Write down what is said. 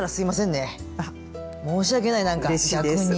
申し訳ないなんか逆に。